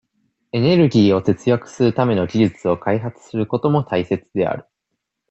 エネルギーを節約するための技術を開発することも大切である。